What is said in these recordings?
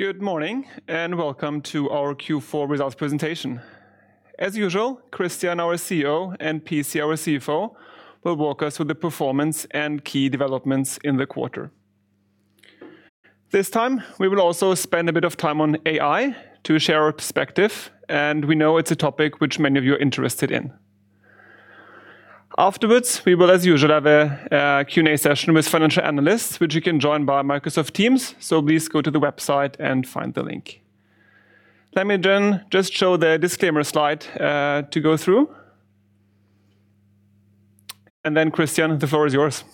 Good morning, and welcome to our Q4 results presentation. As usual, Christian, our CEO, and PC, our CFO, will walk us through the performance and key developments in the quarter. This time, we will also spend a bit of time on AI to share our perspective, and we know it's a topic which many of you are interested in. Afterwards, we will, as usual, have a Q&A session with financial analysts, which you can join by Microsoft Teams, so please go to the website and find the link. Let me then just show the disclaimer slide to go through. Then Christian, the floor is yours.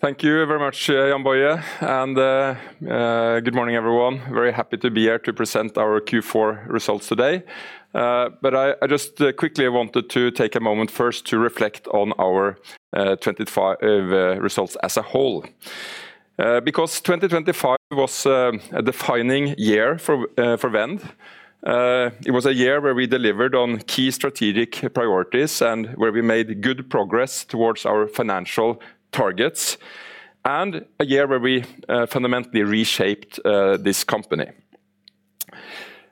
Thank you very much, Jann-Boje, and good morning, everyone. Very happy to be here to present our Q4 results today. But I just quickly wanted to take a moment first to reflect on our 25 results as a whole. Because 2025 was a defining year for Vend. It was a year where we delivered on key strategic priorities and where we made good progress towards our financial targets, and a year where we fundamentally reshaped this company.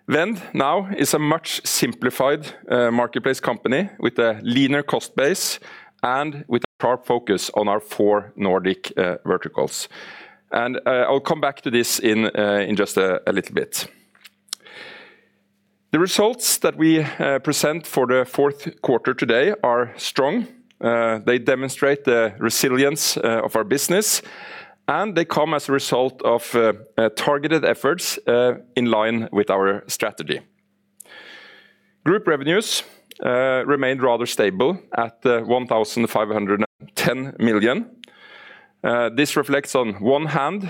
Vend now is a much simplified marketplace company with a leaner cost base and with a clear focus on our four Nordic verticals. And I'll come back to this in just a little bit. The results that we present for the fourth quarter today are strong. They demonstrate the resilience of our business, and they come as a result of targeted efforts in line with our strategy. Group revenues remained rather stable at 1,510 million. This reflects on one hand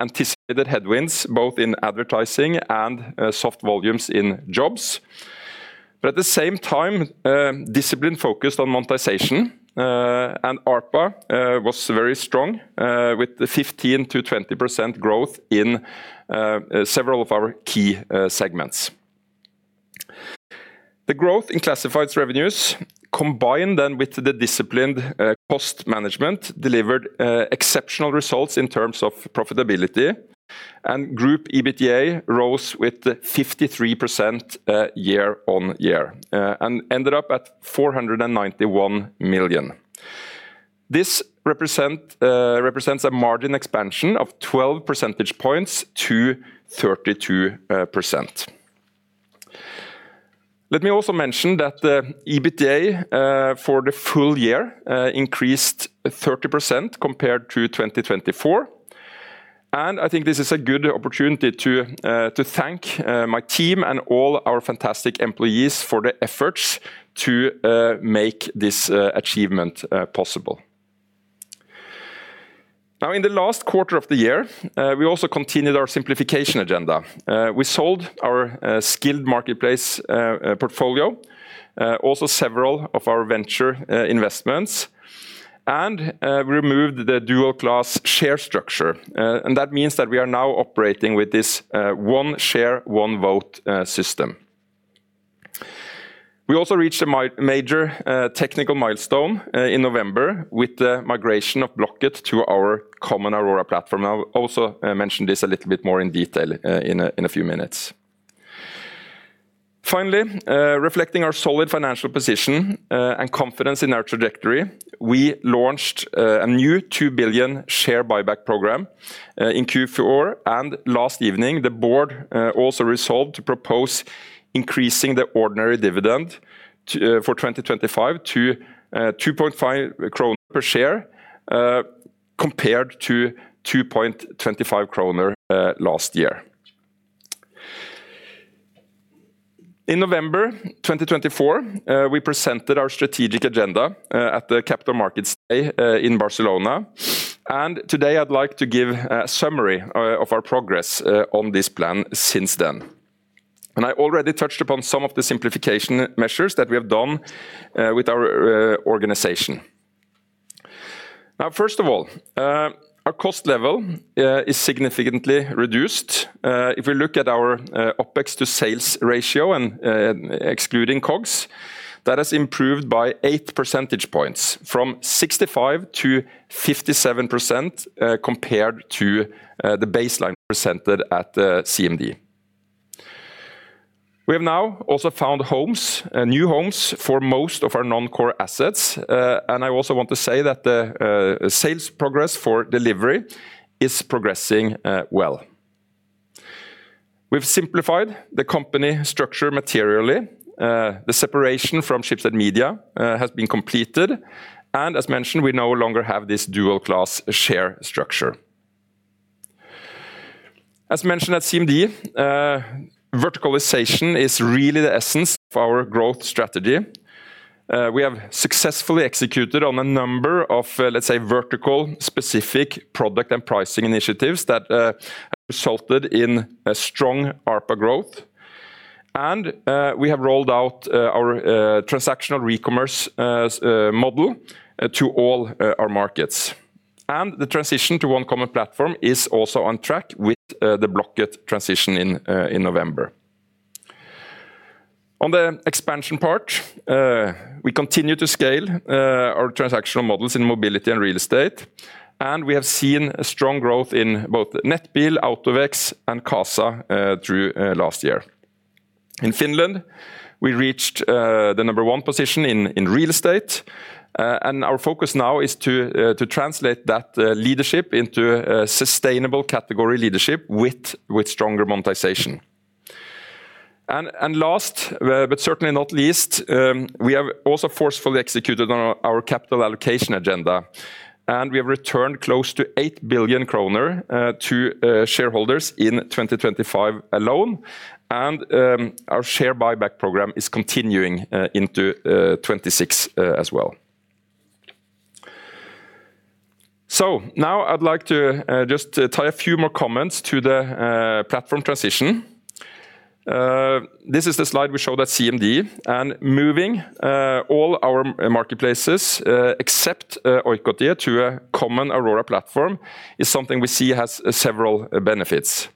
anticipated headwinds, both in advertising and soft volumes in Jobs. But at the same time, discipline focused on monetization and ARPA was very strong with the 15%-20% growth in several of our key segments. The growth in classifieds revenues, combined then with the disciplined cost management, delivered exceptional results in terms of profitability, and group EBITDA rose with 53% year-on-year and ended up at 491 million. This represents a margin expansion of 12 percentage points to 32%. Let me also mention that the EBITDA for the full year increased 30% compared to 2024, and I think this is a good opportunity to thank my team and all our fantastic employees for their efforts to make this achievement possible. Now, in the last quarter of the year, we also continued our simplification agenda. We sold our classified marketplace portfolio, also several of our venture investments, and removed the dual class share structure. And that means that we are now operating with this one share, one vote system. We also reached a major technical milestone in November with the migration of Blocket to our common Aurora platform. I'll also mention this a little bit more in detail in a few minutes. Finally, reflecting our solid financial position and confidence in our trajectory, we launched a new 2 billion share buyback program in Q4. Last evening, the board also resolved to propose increasing the ordinary dividend for 2025 to 2.5 kroner per share, compared to 2.25 kroner last year. In November 2024, we presented our strategic agenda at the Capital Markets Day in Barcelona, and today I'd like to give a summary of our progress on this plan since then. I already touched upon some of the simplification measures that we have done with our organization. Now, first of all, our cost level is significantly reduced. If we look at our OpEx to sales ratio and excluding COGS, that has improved by 8 percentage points, from 65% to 57%, compared to the baseline presented at the CMD. We have now also found homes, new homes, for most of our non-core assets. And I also want to say that the sales progress for delivery is progressing well. We've simplified the company structure materially. The separation from Schibsted Media has been completed, and as mentioned, we no longer have this dual class share structure. As mentioned at CMD, verticalization is really the essence of our growth strategy. We have successfully executed on a number of, let's say, vertical-specific product and pricing initiatives that resulted in a strong ARPA growth. We have rolled out our transactional Recommerce model to all our markets. The transition to one common platform is also on track with the Blocket transition in November. On the expansion part, we continue to scale our transactional models in Mobility and real estate, and we have seen a strong growth in both Nettbil, AutoVex, and Qasa through last year. In Finland, we reached the number one position in real estate, and our focus now is to translate that leadership into a sustainable category leadership with stronger monetization. Last, but certainly not least, we have also forcefully executed on our capital allocation agenda, and we have returned close to 8 billion kroner to shareholders in 2025 alone. Our share buyback program is continuing into 2026 as well. So now I'd like to just tie a few more comments to the platform transition. This is the slide we showed at CMD, and moving all our marketplaces except Oikotie to a common Aurora platform is something we see has several benefits.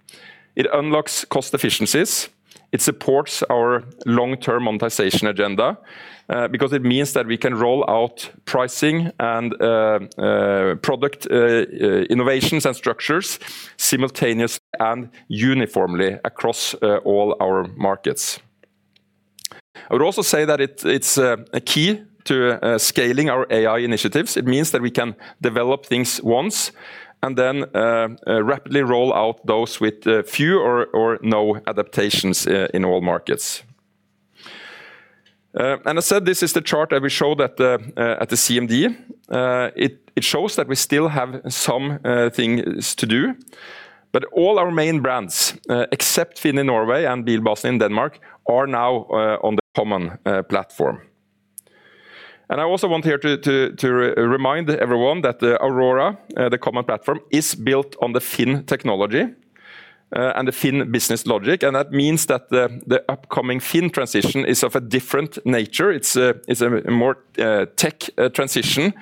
It unlocks cost efficiencies, it supports our long-term monetization agenda because it means that we can roll out pricing and product innovations and structures simultaneously and uniformly across all our markets. I would also say that it's a key to scaling our AI initiatives. It means that we can develop things once and then rapidly roll out those with few or no adaptations in all markets. I said, this is the chart that we showed at the CMD. It shows that we still have some things to do, but all our main brands, except Finn in Norway and Bilbasen in Denmark, are now on the common platform. I also want here to remind everyone that the Aurora, the common platform, is built on the Finn technology and the Finn business logic. That means that the upcoming Finn transition is of a different nature. It's a more tech transition,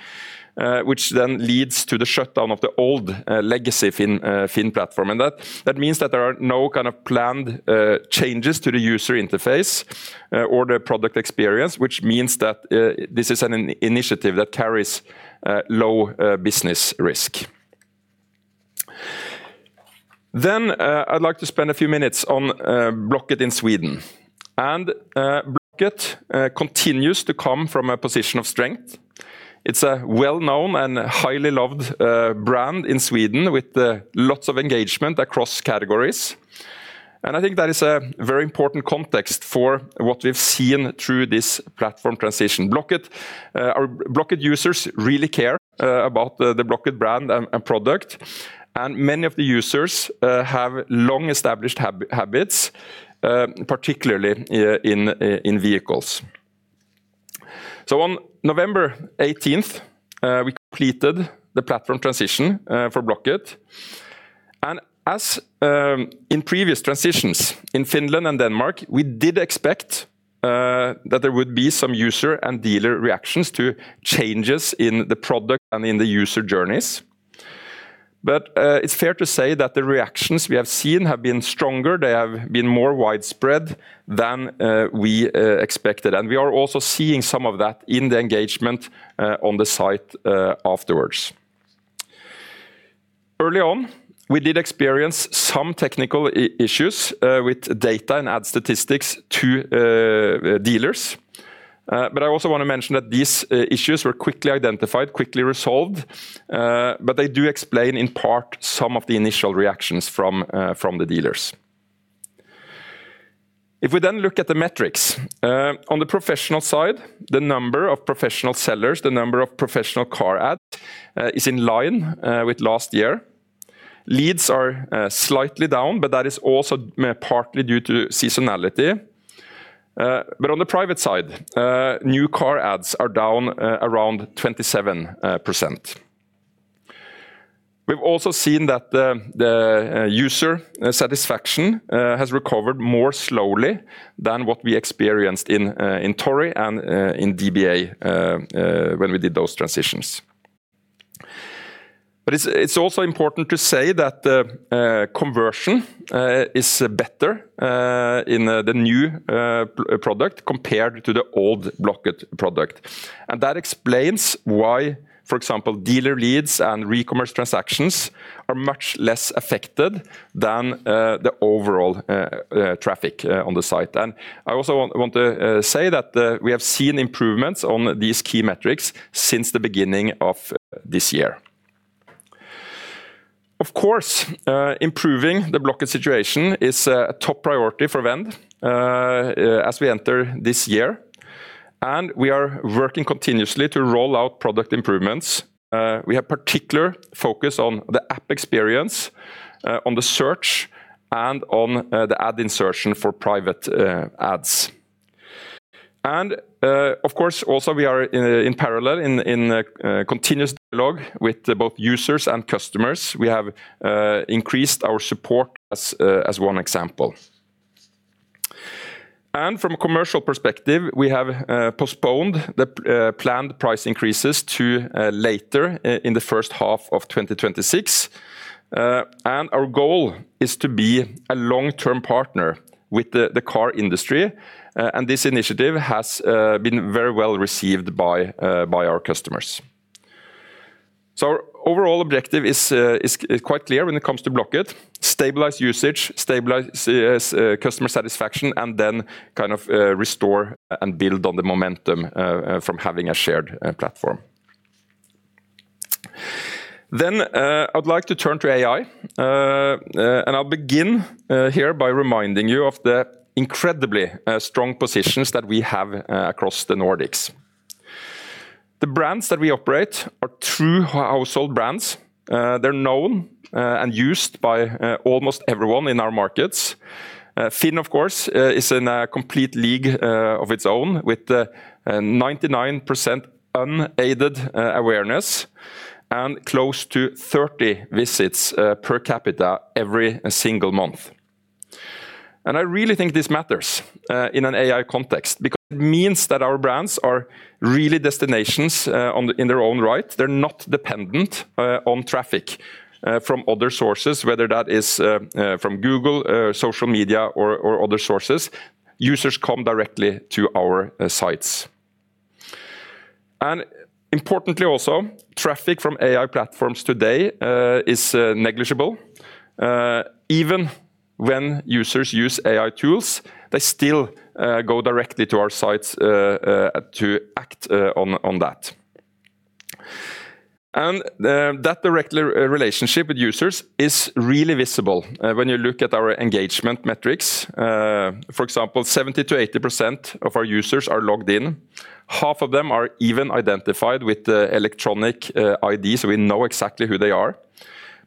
which then leads to the shutdown of the old legacy Finn platform. And that means that there are no kind of planned changes to the user interface or the product experience, which means that this is an initiative that carries low business risk. Then I'd like to spend a few minutes on Blocket in Sweden. And Blocket continues to come from a position of strength. It's a well-known and highly loved brand in Sweden, with lots of engagement across categories. And I think that is a very important context for what we've seen through this platform transition. Blocket, our Blocket users really care about the Blocket brand and product, and many of the users have long-established habits, particularly in vehicles. So on November eighteenth we completed the platform transition for Blocket. As in previous transitions in Finland and Denmark, we did expect that there would be some user and dealer reactions to changes in the product and in the user journeys. But it's fair to say that the reactions we have seen have been stronger; they have been more widespread than we expected. We are also seeing some of that in the engagement on the site afterwards. Early on, we did experience some technical issues with data and ad statistics to dealers. But I also want to mention that these issues were quickly identified, quickly resolved, but they do explain, in part, some of the initial reactions from the dealers. If we then look at the metrics, on the professional side, the number of professional sellers, the number of professional car ad, is in line, with last year. Leads are, slightly down, but that is also partly due to seasonality. But on the private side, new car ads are down, around 27%. We've also seen that the user satisfaction has recovered more slowly than what we experienced in, in Tori and, in DBA, when we did those transitions. But it's also important to say that the conversion is better, in the new product compared to the old Blocket product. And that explains why, for example, dealer leads and Recommerce transactions are much less affected than the overall traffic on the site. I also want to say that we have seen improvements on these key metrics since the beginning of this year. Of course, improving the Blocket situation is a top priority for Vend, as we enter this year, and we are working continuously to roll out product improvements. We have particular focus on the app experience, on the search, and on the ad insertion for private ads. And, of course, also we are in parallel in continuous dialogue with both users and customers. We have increased our support as one example. And from a commercial perspective, we have postponed the planned price increases to later in the first half of 2026. Our goal is to be a long-term partner with the, the car industry, and this initiative has been very well received by, by our customers. Our overall objective is, is, is quite clear when it comes to Blocket: stabilize usage, stabilize customer satisfaction, and then kind of restore and build on the momentum from having a shared platform. I'd like to turn to AI. I'll begin here by reminding you of the incredibly strong positions that we have across the Nordics. The brands that we operate are true household brands. They're known and used by almost everyone in our markets. Finn, of course, is in a complete league of its own, with 99% unaided awareness and close to 30 visits per capita every single month. And I really think this matters in an AI context, because it means that our brands are really destinations in their own right. They're not dependent on traffic from other sources, whether that is from Google, social media, or other sources. Users come directly to our sites. And importantly, also, traffic from AI platforms today is negligible. Even when users use AI tools, they still go directly to our sites to act on that. And that direct relationship with users is really visible when you look at our engagement metrics. For example, 70%-80% of our users are logged in. Half of them are even identified with the electronic ID, so we know exactly who they are.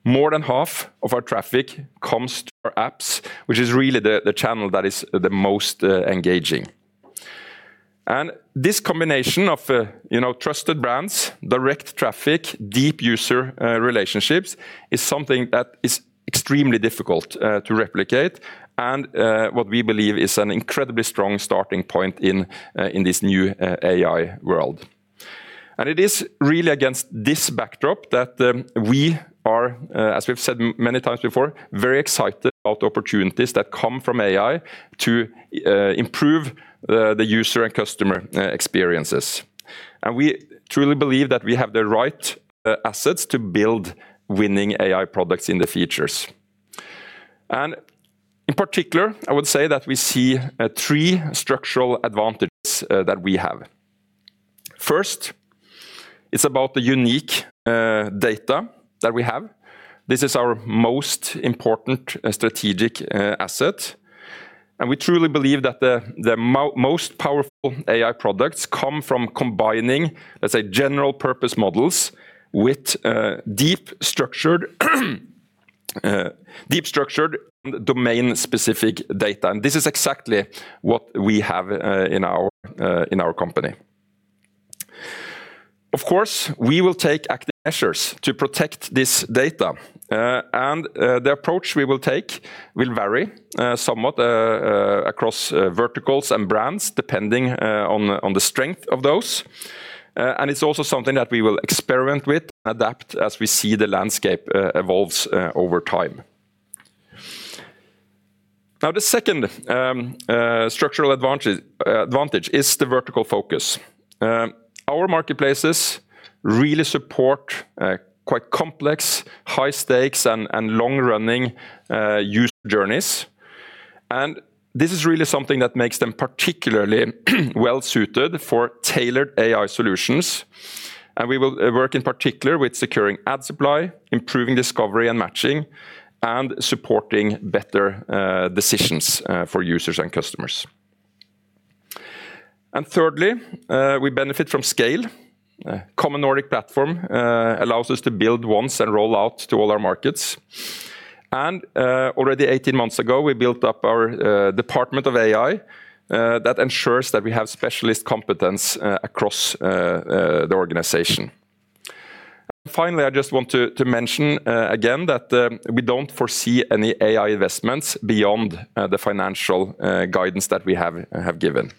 More than half of our traffic comes to our apps, which is really the channel that is the most engaging. And this combination of, you know, trusted brands, direct traffic, deep user relationships, is something that is extremely difficult to replicate, and what we believe is an incredibly strong starting point in this new AI world. And it is really against this backdrop that we are, as we've said many times before, very excited about the opportunities that come from AI to improve the user and customer experiences. We truly believe that we have the right assets to build winning AI products in the future. In particular, I would say that we see three structural advantages that we have. First, it's about the unique data that we have. This is our most important strategic asset, and we truly believe that the most powerful AI products come from combining, let's say, general purpose models with deep, structured domain-specific data, and this is exactly what we have in our company. Of course, we will take active measures to protect this data. The approach we will take will vary somewhat across verticals and brands, depending on the strength of those. And it's also something that we will experiment with and adapt as we see the landscape evolves over time. Now, the second structural advantage is the vertical focus. Our marketplaces really support quite complex, high stakes, and long-running user journeys. And this is really something that makes them particularly well-suited for tailored AI solutions. And we will work in particular with securing ad supply, improving discovery and matching, and supporting better decisions for users and customers. And thirdly, we benefit from scale. Common Nordic platform allows us to build once and roll out to all our markets. And already 18 months ago, we built up our department of AI that ensures that we have specialist competence across the organization. Finally, I just want to mention again that we don't foresee any AI investments beyond the financial guidance that we have given.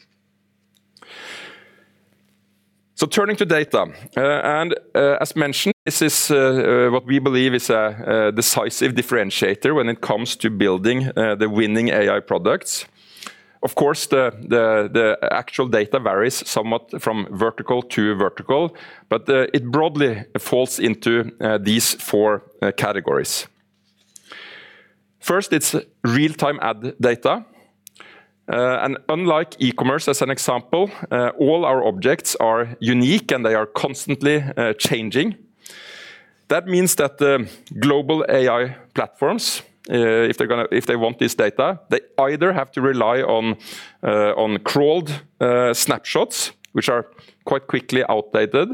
So turning to data and as mentioned, this is what we believe is a decisive differentiator when it comes to building the winning AI products. Of course, the actual data varies somewhat from vertical to vertical, but it broadly falls into these four categories. First, it's real-time ad data. And unlike e-commerce, as an example, all our objects are unique, and they are constantly changing. That means that the global AI platforms, if they want this data, they either have to rely on crawled snapshots, which are quite quickly outdated,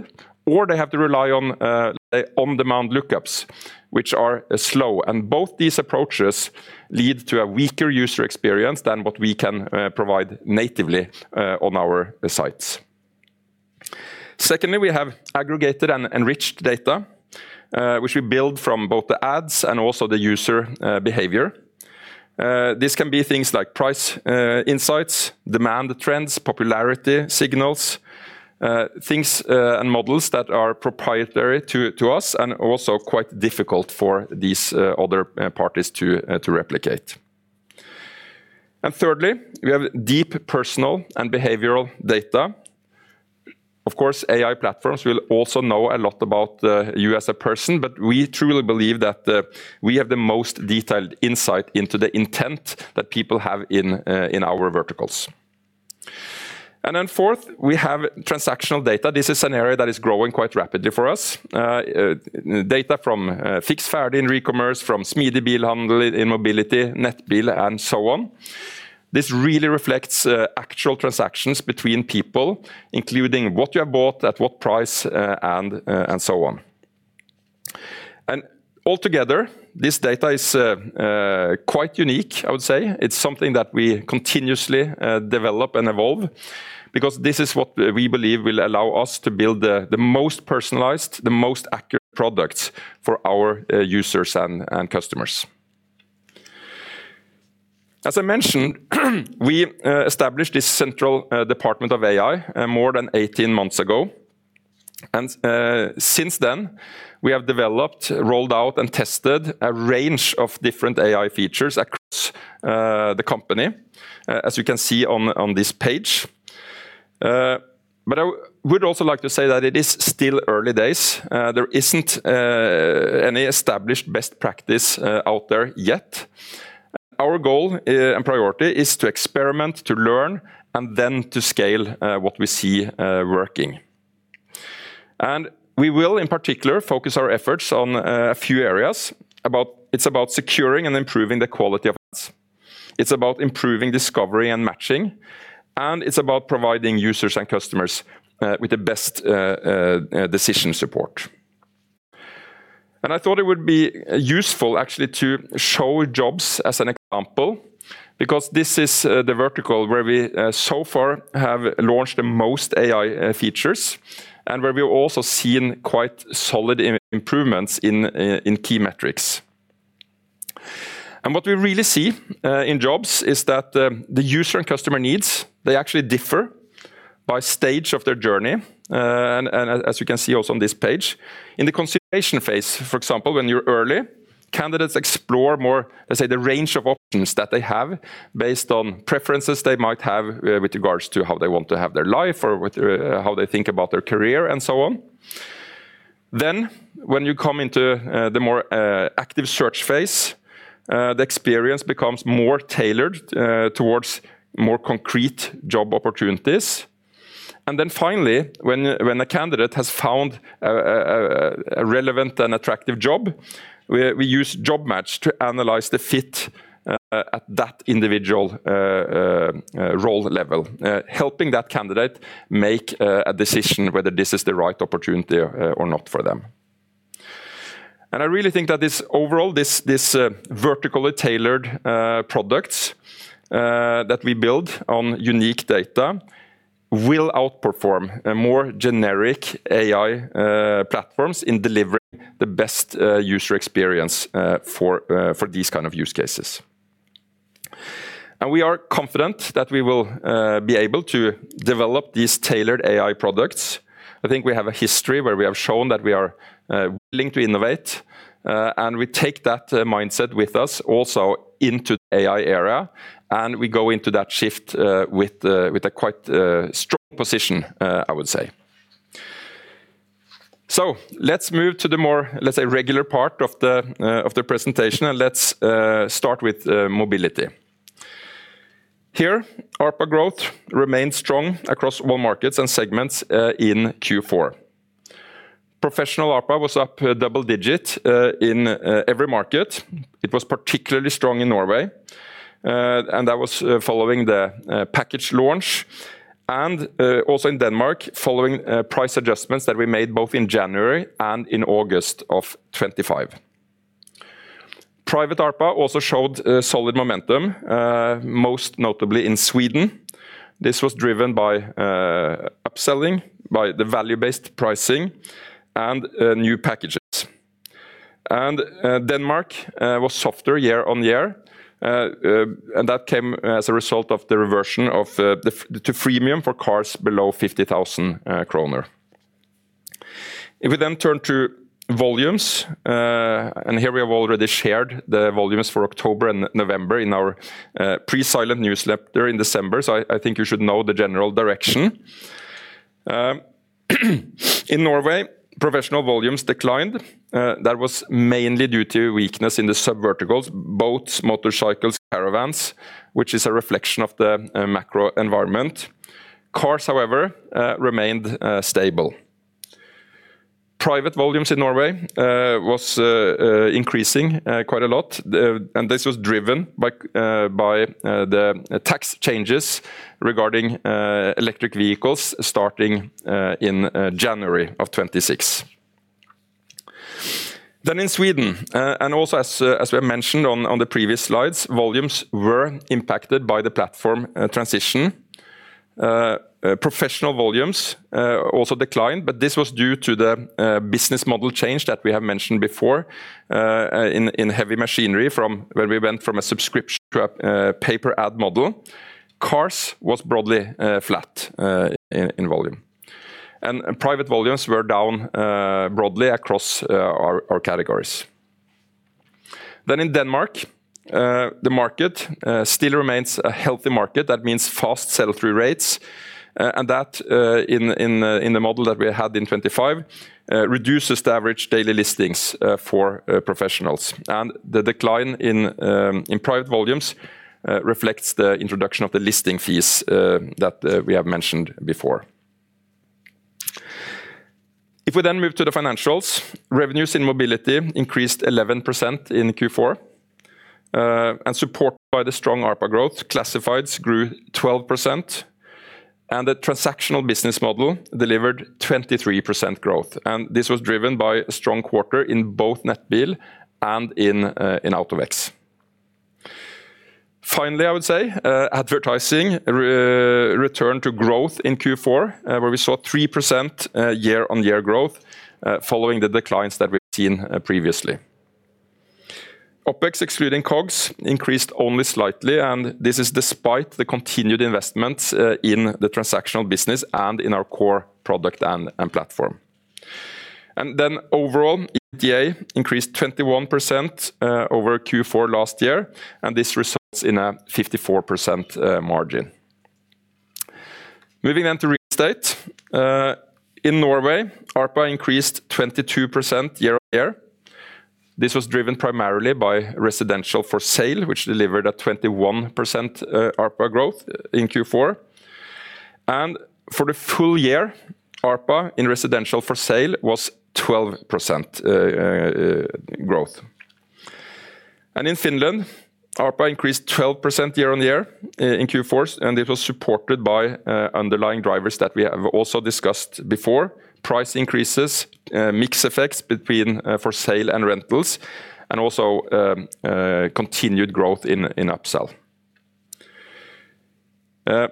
or they have to rely on on-demand lookups, which are slow. Both these approaches lead to a weaker user experience than what we can provide natively on our sites. Secondly, we have aggregated and enriched data, which we build from both the ads and also the user behavior. This can be things like price insights, demand trends, popularity signals, things and models that are proprietary to us, and also quite difficult for these other parties to replicate. Thirdly, we have deep personal and behavioral data. Of course, AI platforms will also know a lot about you as a person, but we truly believe that we have the most detailed insight into the intent that people have in our verticals. Then fourth, we have transactional data. This is an area that is growing quite rapidly for us. Data from fixed fare in Recommerce, from Smidig Bilhandel in Mobility, Nettbil, and so on. This really reflects actual transactions between people, including what you have bought, at what price, and so on. And altogether, this data is quite unique, I would say. It's something that we continuously develop and evolve, because this is what we believe will allow us to build the most personalized, the most accurate products for our users and customers. As I mentioned, we established this central department of AI more than 18 months ago, and since then, we have developed, rolled out, and tested a range of different AI features across the company, as you can see on this page. But I would also like to say that it is still early days. There isn't any established best practice out there yet. Our goal and priority is to experiment, to learn, and then to scale what we see working. And we will, in particular, focus our efforts on a few areas. It's about securing and improving the quality of ads. It's about improving discovery and matching, and it's about providing users and customers with the best decision support. And I thought it would be useful, actually, to show Jobs as an example, because this is the vertical where we so far have launched the most AI features, and where we've also seen quite solid improvements in key metrics. And what we really see in Jobs is that the user and customer needs, they actually differ by stage of their journey. And as you can see also on this page, in the consideration phase, for example, when you're early, candidates explore more, let's say, the range of options that they have, based on preferences they might have, with regards to how they want to have their life or what, how they think about their career, and so on. Then, when you come into the more active search phase, the experience becomes more tailored towards more concrete job opportunities. And then finally, when a candidate has found a relevant and attractive job, we use Job Match to analyze the fit at that individual role level, helping that candidate make a decision whether this is the right opportunity or not for them. I really think that this, overall, vertically tailored products that we build on unique data, will outperform a more generic AI platforms in delivering the best user experience for these kind of use cases. We are confident that we will be able to develop these tailored AI products. I think we have a history where we have shown that we are willing to innovate, and we take that mindset with us also into the AI era, and we go into that shift with a quite strong position, I would say. Let's move to the more, let's say, regular part of the presentation, and let's start with Mobility. Here, ARPA growth remained strong across all markets and segments in Q4. Professional ARPA was up double-digit in every market. It was particularly strong in Norway, and that was following the package launch, and also in Denmark, following price adjustments that we made both in January and in August of 2025. Private ARPA also showed solid momentum most notably in Sweden. This was driven by upselling, by the value-based pricing, and new packages. Denmark was softer year-on-year, and that came as a result of the reversion to freemium for cars below 50,000 kroner. If we then turn to volumes, and here we have already shared the volumes for October and November in our pre-silent newsletter in December, so I think you should know the general direction. In Norway, professional volumes declined. That was mainly due to weakness in the sub-verticals: boats, motorcycles, caravans, which is a reflection of the macro environment. Cars, however, remained stable. Private volumes in Norway was increasing quite a lot, and this was driven by the tax changes regarding electric vehicles, starting in January of 2026. Then in Sweden, and also as we mentioned on the previous slides, volumes were impacted by the platform transition. Professional volumes also declined, but this was due to the business model change that we have mentioned before in heavy machinery, from where we went from a subscription to a pay-per-ad model. Cars was broadly flat in volume. Private volumes were down broadly across our categories. Then in Denmark, the market still remains a healthy market. That means fast sell-through rates, and that, in the model that we had in 2025, reduces the average daily listings for professionals. And the decline in private volumes reflects the introduction of the listing fees that we have mentioned before. If we then move to the financials, revenues in Mobility increased 11% in Q4. And supported by the strong ARPA growth, classifieds grew 12%, and the transactional business model delivered 23% growth, and this was driven by a strong quarter in both Nettbil and in AutoVex. Finally, I would say, advertising returned to growth in Q4, where we saw 3% year-on-year growth, following the declines that we've seen previously. OpEx, excluding COGS, increased only slightly, and this is despite the continued investments in the transactional business and in our core product and platform. Then overall, EBITDA increased 21% over Q4 last year, and this results in a 54% margin. Moving on to real estate. In Norway, ARPA increased 22% year-on-year. This was driven primarily by residential for sale, which delivered a 21% ARPA growth in Q4. For the full year, ARPA in residential for sale was 12% growth. In Finland, ARPA increased 12% year-on-year in Q4, and it was supported by underlying drivers that we have also discussed before. Price increases, mix effects between for sale and rentals, and also continued growth in upsell.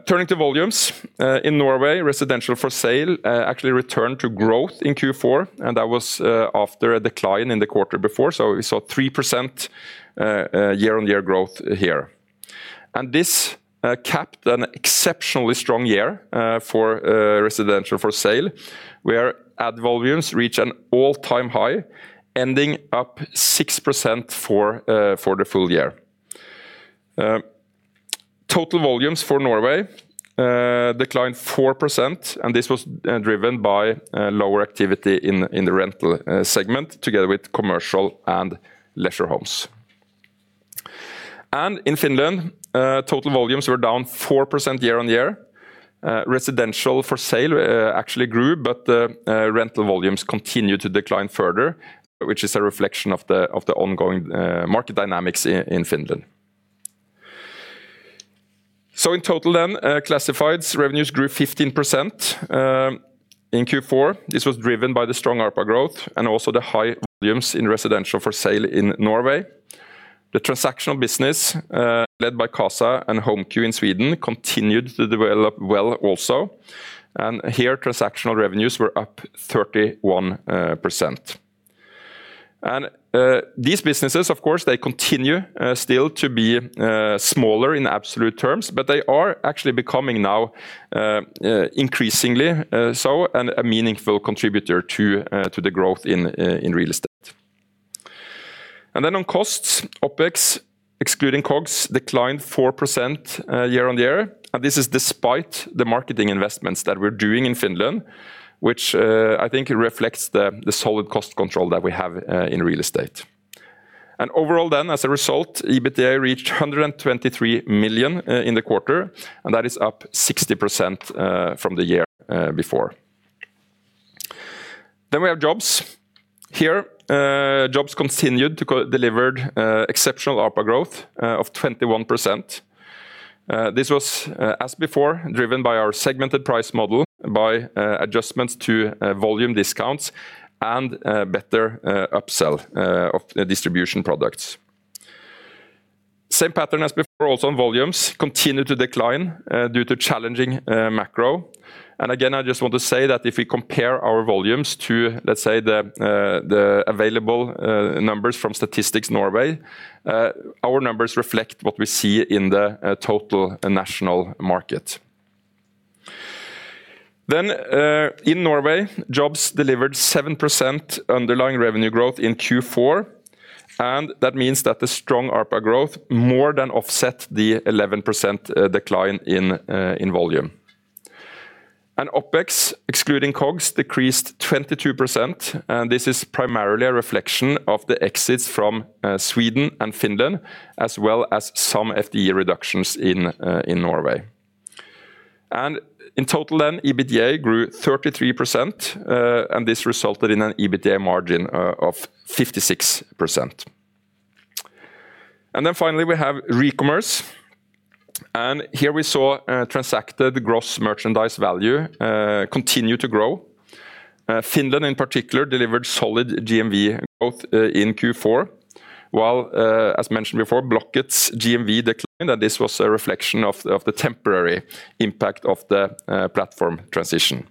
Turning to volumes. In Norway, residential for sale actually returned to growth in Q4, and that was after a decline in the quarter before, so we saw 3% year-on-year growth here. And this capped an exceptionally strong year for residential for sale, where ad volumes reach an all-time high, ending up 6% for the full year. Total volumes for Norway declined 4%, and this was driven by lower activity in the rental segment, together with commercial and leisure homes. And in Finland, total volumes were down 4% year-on-year. Residential for sale actually grew, but the rental volumes continued to decline further, which is a reflection of the ongoing market dynamics in Finland. So in total then, classifieds revenues grew 15% in Q4. This was driven by the strong ARPA growth and also the high volumes in residential for sale in Norway. The transactional business, led by Qasa and HomeQ in Sweden, continued to develop well also, and here, transactional revenues were up 31%. And these businesses, of course, they continue still to be smaller in absolute terms, but they are actually becoming now increasingly so, and a meaningful contributor to the growth in real estate. And then on costs, OpEx, excluding COGS, declined 4% year-on-year, and this is despite the marketing investments that we're doing in Finland, which I think reflects the solid cost control that we have in real estate. Overall then, as a result, EBITDA reached 123 million in the quarter, and that is up 60% from the year before. Then we have Jobs. Here, Jobs continued to deliver exceptional ARPA growth of 21%. This was, as before, driven by our segmented price model by adjustments to volume discounts and better upsell of the distribution products. Same pattern as before, also on volumes, continued to decline due to challenging macro. And again, I just want to say that if we compare our volumes to, let's say, the available numbers from Statistics Norway, our numbers reflect what we see in the total national market. Then, in Norway, Jobs delivered 7% underlying revenue growth in Q4, and that means that the strong ARPA growth more than offset the 11% decline in volume. And OpEx, excluding COGS, decreased 22%, and this is primarily a reflection of the exits from Sweden and Finland, as well as some FTE reductions in Norway. And in total then, EBITDA grew 33%, and this resulted in an EBITDA margin of 56%. And then finally, we have Recommerce, and here we saw transacted gross merchandise value continue to grow. Finland, in particular, delivered solid GMV growth in Q4, while, as mentioned before, Blocket's GMV declined, and this was a reflection of the temporary impact of the platform transition.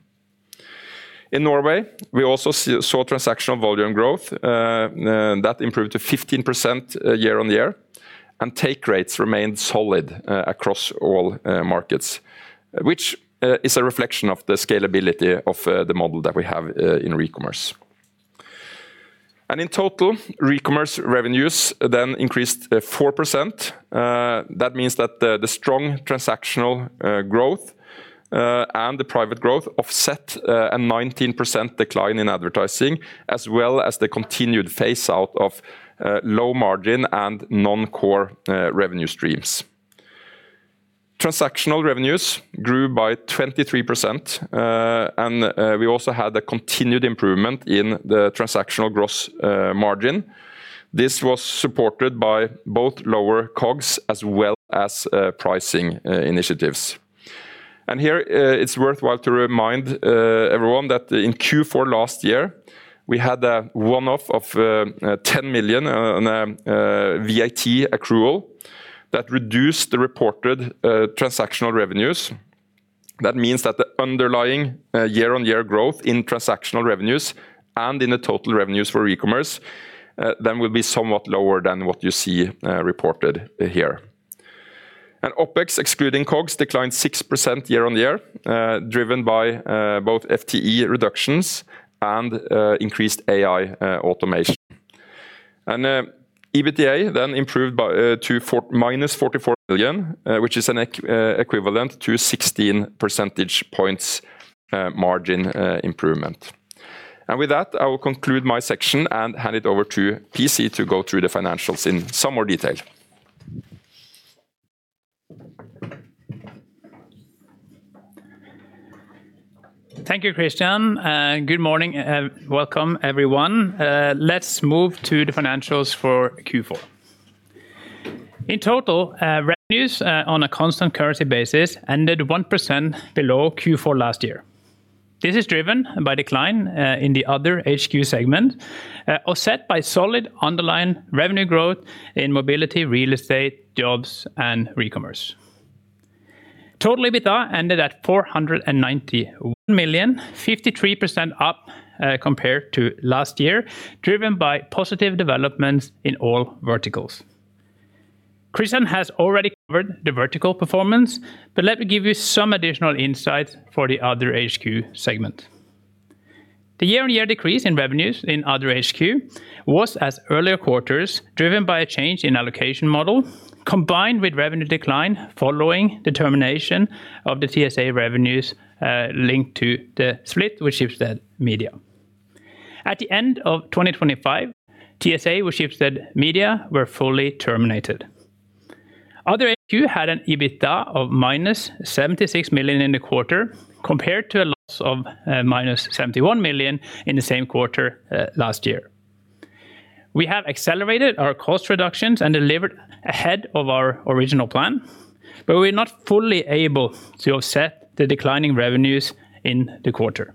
In Norway, we also saw transactional volume growth that improved to 15%, year-on-year, and take rates remained solid across all markets, which is a reflection of the scalability of the model that we have in Recommerce. In total, Recommerce revenues then increased 4%. That means that the strong transactional growth and the private growth offset a 19% decline in advertising, as well as the continued phase out of low margin and non-core revenue streams. Transactional revenues grew by 23%, and we also had a continued improvement in the transactional gross margin. This was supported by both lower COGS, as well as pricing initiatives. Here, it's worthwhile to remind everyone that in Q4 last year, we had a one-off of 10 million on VAT accrual that reduced the reported transactional revenues. That means that the underlying year-on-year growth in transactional revenues and in the total revenues for Recommerce then will be somewhat lower than what you see reported here. OpEx, excluding COGS, declined 6% year-on-year, driven by both FTE reductions and increased AI automation. EBITDA then improved by 44 million, which is an equivalent to 16 percentage points margin improvement. With that, I will conclude my section and hand it over to PC to go through the financials in some more detail. Thank you, Christian, and good morning, and welcome, everyone. Let's move to the financials for Q4. In total, revenues, on a constant currency basis, ended 1% below Q4 last year. This is driven by decline in the other HQ segment, offset by solid underlying revenue growth in Mobility, real estate, Jobs, and Recommerce. Total EBITDA ended at 491 million, 53% up, compared to last year, driven by positive developments in all verticals. Christian has already covered the vertical performance, but let me give you some additional insights for the other HQ segment. The year-on-year decrease in revenues in other HQ was, as earlier quarters, driven by a change in allocation model, combined with revenue decline following the termination of the TSA revenues, linked to the split with Schibsted Media. At the end of 2025, TSA with Schibsted Media were fully terminated. Other HQ had an EBITDA of -76 million in the quarter, compared to a loss of -71 million in the same quarter last year. We have accelerated our cost reductions and delivered ahead of our original plan, but we're not fully able to offset the declining revenues in the quarter.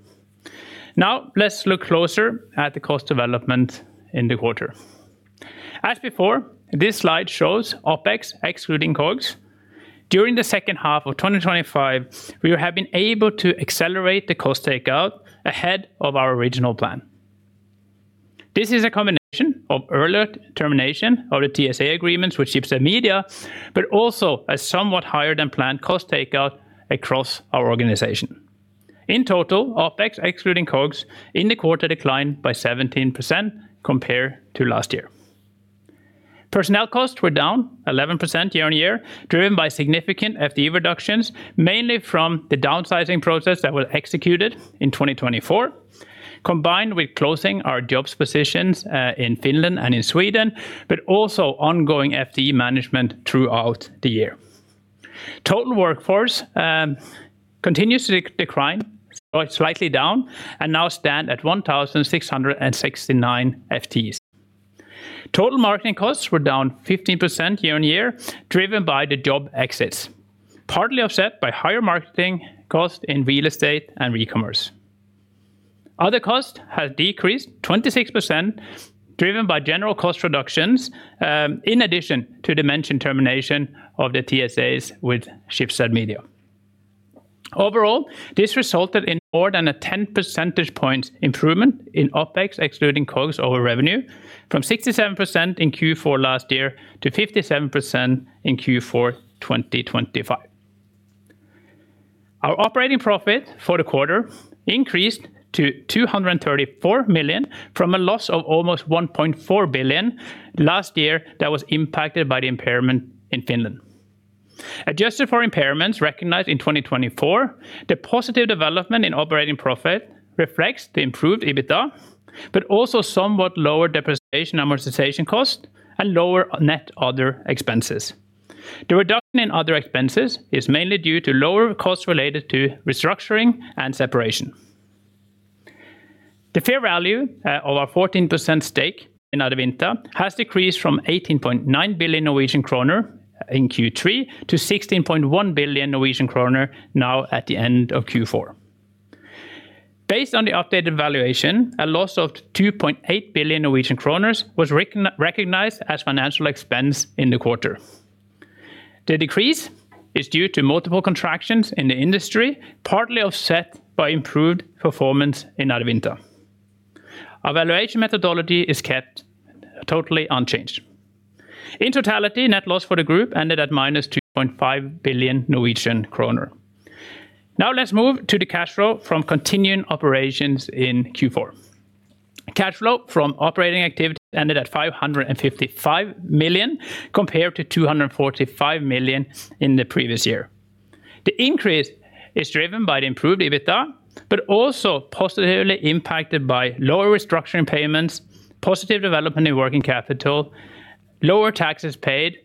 Now, let's look closer at the cost development in the quarter. As before, this slide shows OpEx excluding COGS. During the second half of 2025, we have been able to accelerate the cost takeout ahead of our original plan. This is a combination of earlier termination of the TSA agreements with Schibsted Media, but also a somewhat higher-than-planned cost takeout across our organization. In total, OpEx, excluding COGS, in the quarter declined by 17% compared to last year. Personnel costs were down 11% year-on-year, driven by significant FTE reductions, mainly from the downsizing process that was executed in 2024, combined with closing our Jobs positions in Finland and in Sweden, but also ongoing FTE management throughout the year. Total workforce continues to decline, so it's slightly down, and now stand at 1,669 FTEs. Total marketing costs were down 15% year-on-year, driven by the job exits, partly offset by higher marketing costs in real estate and Recommerce. Other costs have decreased 26%, driven by general cost reductions in addition to the mentioned termination of the TSAs with Schibsted Media. Overall, this resulted in more than a 10 percentage points improvement in OpEx, excluding COGS over revenue, from 67% in Q4 last year to 57% in Q4 2025. Our operating profit for the quarter increased to 234 million, from a loss of almost 1.4 billion last year that was impacted by the impairment in Finland. Adjusted for impairments recognized in 2024, the positive development in operating profit reflects the improved EBITDA, but also somewhat lower depreciation amortization cost and lower net other expenses. The reduction in other expenses is mainly due to lower costs related to restructuring and separation. The fair value of our 14% stake in Adevinta has decreased from 18.9 billion Norwegian kroner in Q3 to 16.1 billion Norwegian kroner now at the end of Q4. Based on the updated valuation, a loss of 2.8 billion Norwegian kroner was recognized as financial expense in the quarter. The decrease is due to multiple contractions in the industry, partly offset by improved performance in Adevinta. Our valuation methodology is kept totally unchanged. In totality, net loss for the group ended at -2.5 billion Norwegian kroner. Now let's move to the cash flow from continuing operations in Q4. Cash flow from operating activities ended at 555 million, compared to 245 million in the previous year. The increase is driven by the improved EBITDA, but also positively impacted by lower restructuring payments, positive development in working capital, lower taxes paid,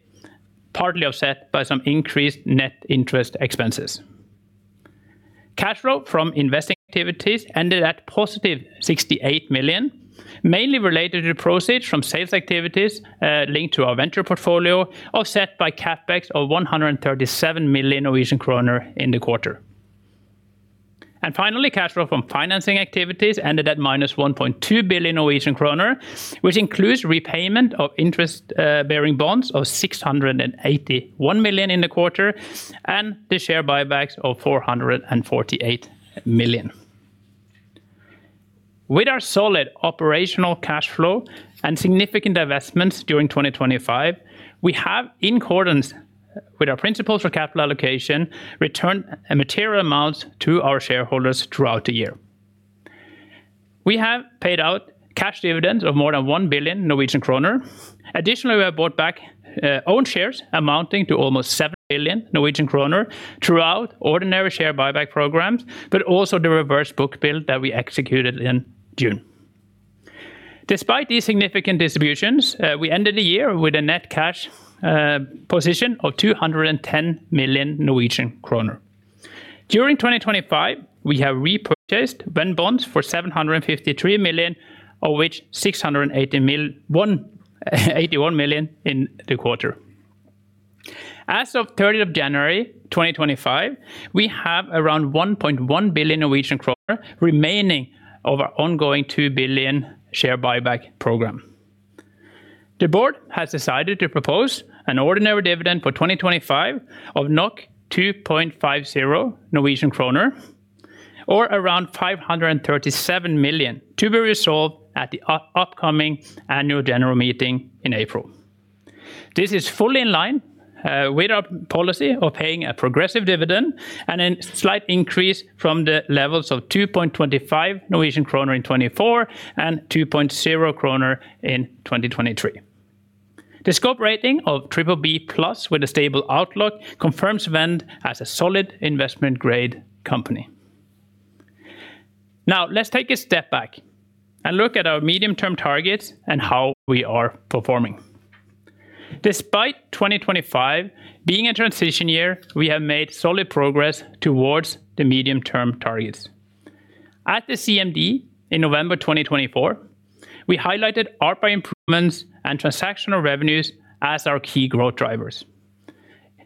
partly offset by some increased net interest expenses. Cash flow from investing activities ended at 68 million, mainly related to proceeds from sales activities, linked to our venture portfolio, offset by CapEx of 137 million Norwegian kroner in the quarter. And finally, cash flow from financing activities ended at -1.2 billion Norwegian kroner, which includes repayment of interest, bearing bonds of 681 million in the quarter, and the share buybacks of 448 million. With our solid operational cash flow and significant investments during 2025, we have, in accordance with our principles for capital allocation, returned a material amount to our shareholders throughout the year. We have paid out cash dividends of more than 1 billion Norwegian kroner. Additionally, we have bought back own shares amounting to almost 7 billion Norwegian kroner throughout ordinary share buyback programs, but also the reverse book build that we executed in June. Despite these significant distributions, we ended the year with a net cash position of 210 million Norwegian kroner. During 2025, we have repurchased Vend bonds for 753 million, of which 681 million in the quarter. As of January 30, 2025, we have around 1.1 billion Norwegian kroner remaining of our ongoing 2 billion share buyback program. The board has decided to propose an ordinary dividend for 2025 of 2.50 Norwegian kroner, or around 537 million, to be resolved at the upcoming annual general meeting in April. This is fully in line with our policy of paying a progressive dividend, and a slight increase from the levels of 2.25 Norwegian kroner in 2024, and 2.0 kroner in 2023. The Scope rating of BBB+, with a stable outlook, confirms Vend as a solid investment grade company. Now, let's take a step back and look at our medium-term targets and how we are performing. Despite 2025 being a transition year, we have made solid progress towards the medium-term targets. At the CMD in November 2024, we highlighted ARPA improvements and transactional revenues as our key growth drivers.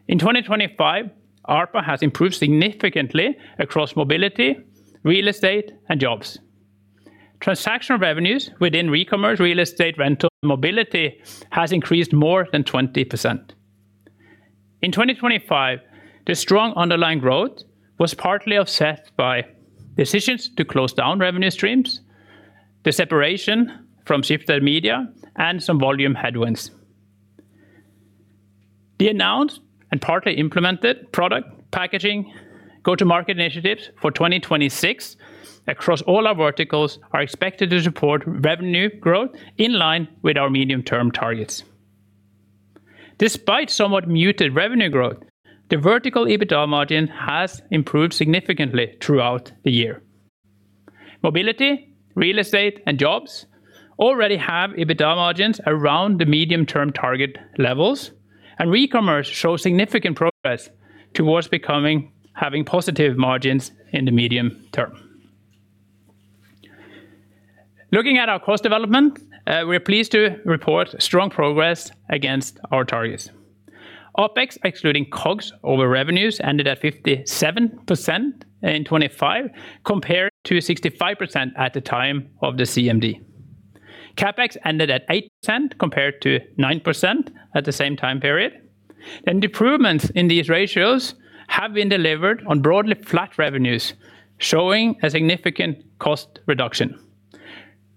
In 2025, ARPA has improved significantly across Mobility, Real Estate, and Jobs. Transactional revenues within Recommerce, Real Estate, Rental, and Mobility has increased more than 20%. In 2025, the strong underlying growth was partly offset by decisions to close down revenue streams, the separation from Schibsted Media, and some volume headwinds. The announced and partly implemented product packaging go-to-market initiatives for 2026 across all our verticals are expected to support revenue growth in line with our medium-term targets. Despite somewhat muted revenue growth, the vertical EBITDA margin has improved significantly throughout the year. Mobility, Real Estate, and Jobs already have EBITDA margins around the medium-term target levels, and Recommerce shows significant progress towards becoming having positive margins in the medium term. Looking at our cost development, we are pleased to report strong progress against our targets. OpEx, excluding COGS over revenues, ended at 57% in 2025, compared to 65% at the time of the CMD. CapEx ended at 8%, compared to 9% at the same time period. The improvements in these ratios have been delivered on broadly flat revenues, showing a significant cost reduction.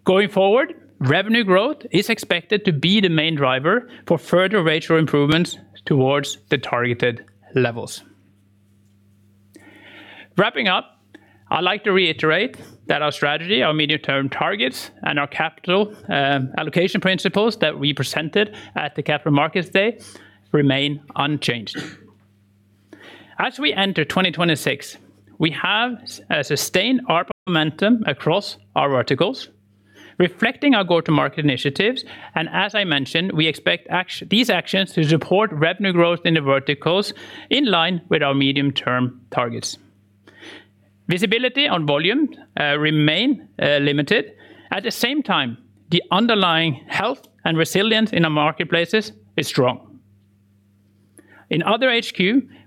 Going forward, revenue growth is expected to be the main driver for further ratio improvements towards the targeted levels. Wrapping up, I'd like to reiterate that our strategy, our medium-term targets, and our capital allocation principles that we presented at the Capital Markets Day remain unchanged. As we enter 2026, we have a sustained ARPA momentum across our verticals, reflecting our go-to-market initiatives, and as I mentioned, we expect these actions to support revenue growth in the verticals in line with our medium-term targets. Visibility on volume remain limited. At the same time, the underlying health and resilience in our marketplaces is strong. In other HQ,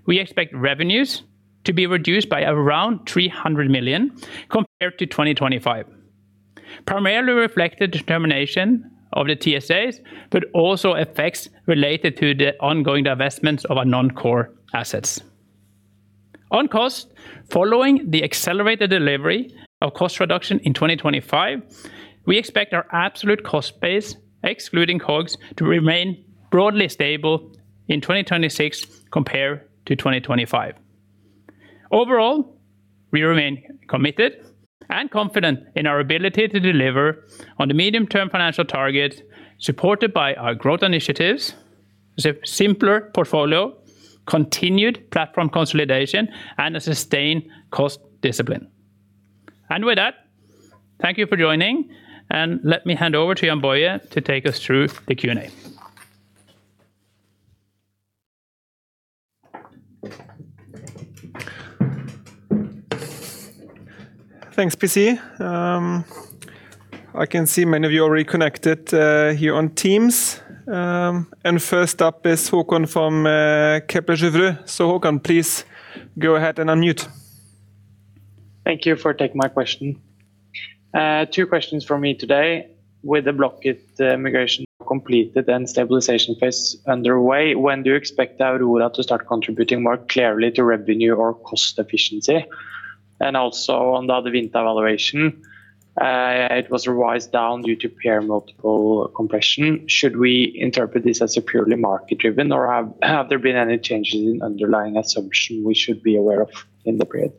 we expect revenues to be reduced by around 300 million compared to 2025... primarily reflected determination of the TSAs, but also effects related to the ongoing divestments of our non-core assets. On cost, following the accelerated delivery of cost reduction in 2025, we expect our absolute cost base, excluding COGS, to remain broadly stable in 2026 compared to 2025. Overall, we remain committed and confident in our ability to deliver on the medium-term financial target, supported by our growth initiatives, the simpler portfolio, continued platform consolidation, and a sustained cost discipline. With that, thank you for joining, and let me hand over to Jann-Boje to take us through the Q&A. Thanks, PC. I can see many of you already connected here on Teams. First up is Håkon from Kepler Cheuvreux. So Håkon, please go ahead and unmute. Thank you for taking my question. Two questions from me today: With the Blocket migration completed and stabilization phase underway, when do you expect Aurora to start contributing more clearly to revenue or cost efficiency? And also, on the other Adevinta valuation, it was revised down due to peer multiple compression. Should we interpret this as a purely market-driven, or have there been any changes in underlying assumption we should be aware of in the period?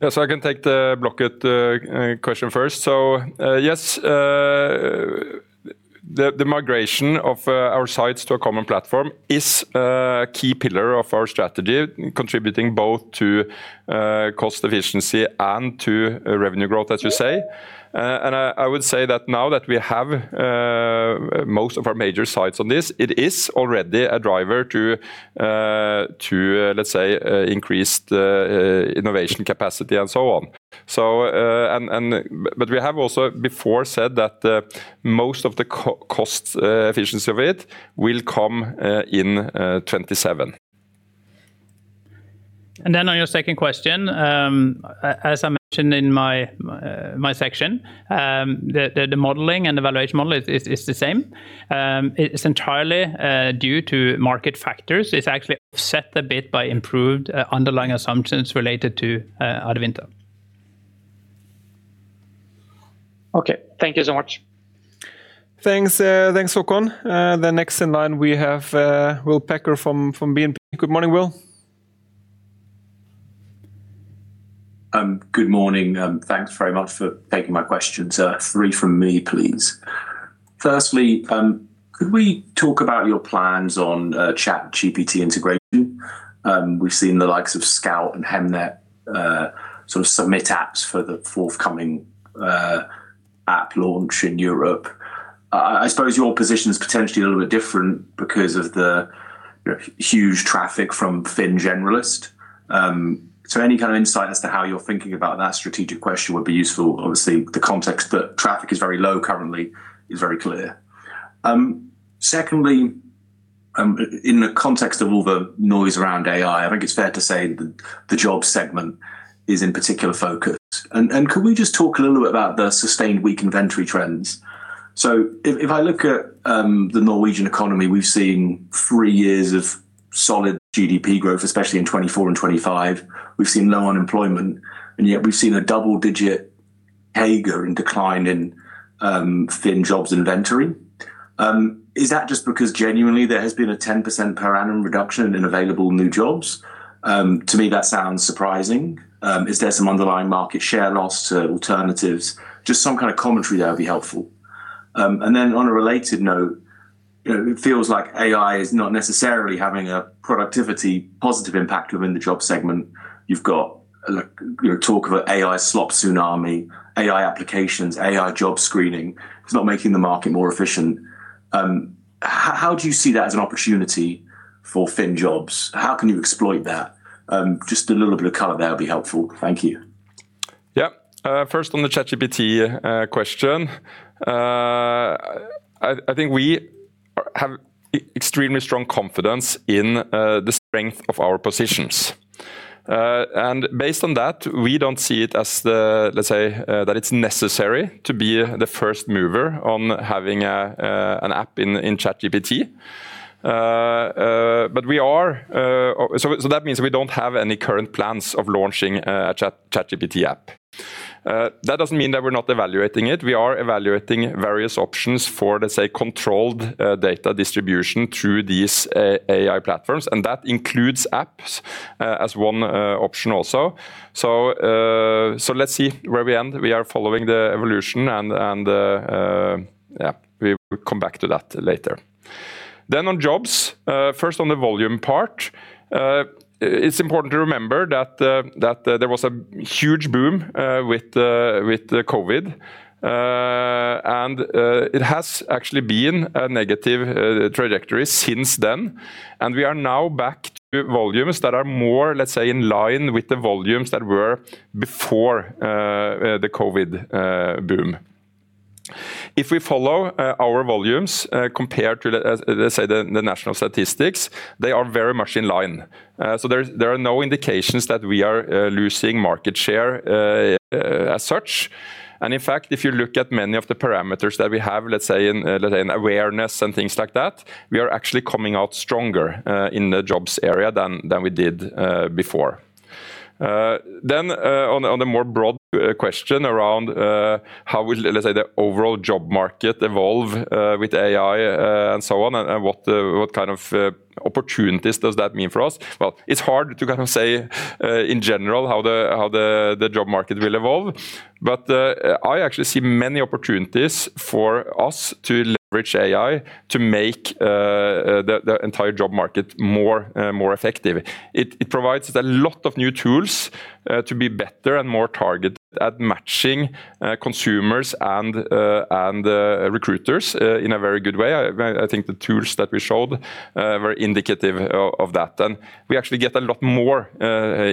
Yeah, so I can take the Blocket question first. So, yes, the migration of our sites to a common platform is a key pillar of our strategy, contributing both to cost efficiency and to revenue growth, as you say. And I would say that now that we have most of our major sites on this, it is already a driver to to let's say increase the innovation capacity and so on. So and but we have also before said that most of the cost efficiency of it will come in 2027. Then on your second question, as I mentioned in my section, the modeling and evaluation model is the same. It's entirely due to market factors. It's actually offset a bit by improved underlying assumptions related to Adevinta. Okay. Thank you so much. Thanks, thanks, Håkon. The next in line, we have Will Packer from BNP. Good morning, Will. Good morning, thanks very much for taking my questions. Three from me, please. Firstly, could we talk about your plans on ChatGPT integration? We've seen the likes of Scout and Hemnet sort of submit apps for the forthcoming app launch in Europe. I suppose your position is potentially a little bit different because of the huge traffic from Finn generalist. So any kind of insight as to how you're thinking about that strategic question would be useful. Obviously, the context that traffic is very low currently is very clear. Secondly, in the context of all the noise around AI, I think it's fair to say that the job segment is in particular focus. Could we just talk a little bit about the sustained weak inventory trends? So if I look at the Norwegian economy, we've seen three years of solid GDP growth, especially in 2024 and 2025. We've seen low unemployment, and yet we've seen a double-digit CAGR in decline in Finn Jobs inventory. Is that just because genuinely there has been a 10% per annum reduction in available new Jobs? To me, that sounds surprising. Is there some underlying market share loss to alternatives? Just some kind of commentary there would be helpful. And then on a related note, it feels like AI is not necessarily having a productivity positive impact within the job segment. You've got, like, you know, talk of an AI slop tsunami, AI applications, AI job screening. It's not making the market more efficient. How do you see that as an opportunity for Finn Jobs? How can you exploit that? Just a little bit of color there would be helpful. Thank you. Yeah. First on the ChatGPT question, I think we have extremely strong confidence in the strength of our positions. And based on that, we don't see it as the, let's say, that it's necessary to be the first mover on having an app in ChatGPT. But we are... So that means we don't have any current plans of launching a ChatGPT app. That doesn't mean that we're not evaluating it. We are evaluating various options for, let's say, controlled data distribution through these AI platforms, and that includes apps as one option also. So let's see where we end. We are following the evolution and yeah, we will come back to that later. Then on Jobs, first on the volume part, it's important to remember that there was a huge boom with the COVID, and it has actually been a negative trajectory since then, and we are now back to volumes that are more, let's say, in line with the volumes that were before the COVID boom. If we follow our volumes compared to the national statistics, they are very much in line. So there are no indications that we are losing market share as such. In fact, if you look at many of the parameters that we have, let's say, in awareness and things like that, we are actually coming out stronger in the Jobs area than we did before. Then, on the more broad question around how will, let's say, the overall job market evolve with AI and so on, and what kind of opportunities does that mean for us? Well, it's hard to kind of say in general, how the job market will evolve, but I actually see many opportunities for us to leverage AI to make the entire job market more effective. It provides a lot of new tools to be better and more targeted at matching consumers and recruiters in a very good way. I think the tools that we showed were indicative of that. And we actually get a lot more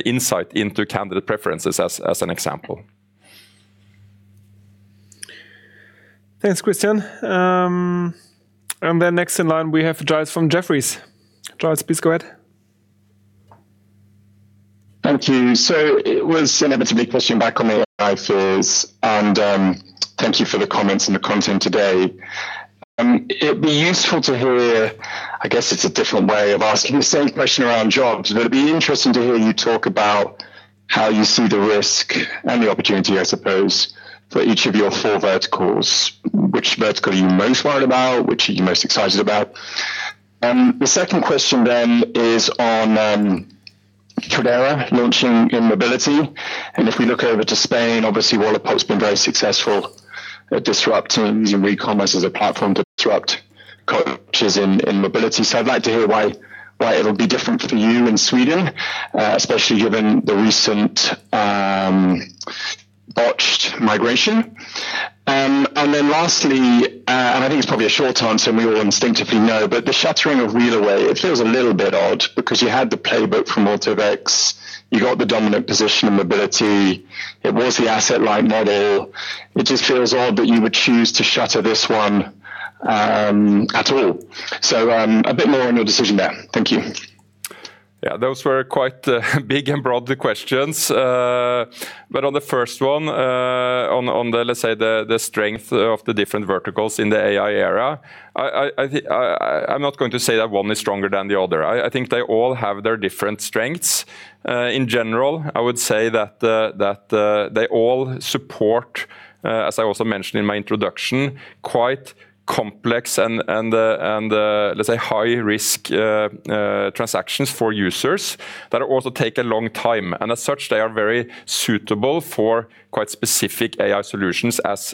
insight into candidate preferences as an example. Thanks, Christian. And then next in line, we have Giles from Jefferies. Giles, please go ahead. Thank you. So it was inevitably pushing back on the AI fears, and thank you for the comments and the content today. It'd be useful to hear... I guess it's a different way of asking the same question around Jobs, but it'd be interesting to hear you talk about how you see the risk and the opportunity, I suppose, for each of your four verticals. Which vertical are you most worried about? Which are you most excited about? And the second question then is on Tradera launching in Mobility. And if we look over to Spain, obviously, Wallapop's been very successful at disrupting and Recommerce as a platform to disrupt coaches in, in Mobility. So I'd like to hear why, why it'll be different for you in Sweden, especially given the recent botched migration. And then lastly, and I think it's probably a short answer, and we all instinctively know, but the shuttering of Wheelaway, it feels a little bit odd because you had the playbook from AutoVex, you got the dominant position in Mobility, it was the asset-light model. It just feels odd that you would choose to shutter this one, at all. So, a bit more on your decision there. Thank you. Yeah, those were quite big and broad questions. But on the first one, on the, let's say, the strength of the different verticals in the AI era, I'm not going to say that one is stronger than the other. I think they all have their different strengths. In general, I would say that they all support, as I also mentioned in my introduction, quite complex and, let's say, high-risk transactions for users that also take a long time, and as such, they are very suitable for quite specific AI solutions as